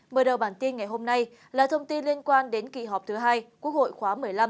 mở đầu bản tin ngày hôm nay là thông tin liên quan đến kỳ họp thứ hai quốc hội khóa một mươi năm